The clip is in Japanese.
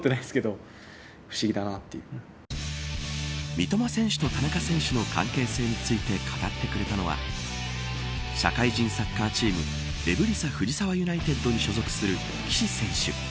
三笘選手と田中選手の関係性について語ってくれたのは社会人サッカーチームエブリサ藤沢ユナイテッドに所属する岸選手。